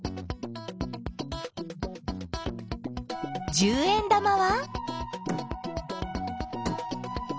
十円玉は？